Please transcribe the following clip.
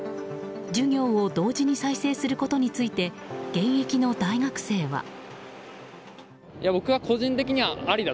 授業を同時に再生することについて現役の大学生は。